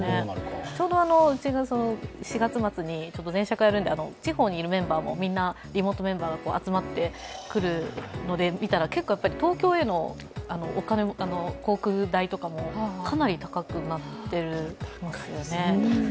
ちょうどうちが４月末に全社会やるので地方にいるメンバーも、リモートメンバーが集まってくるので、見たら結構、東京への航空代とかもかなり高くなっていますよね。